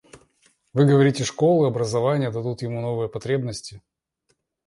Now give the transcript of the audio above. Вы говорите, школы, образование дадут ему новые потребности.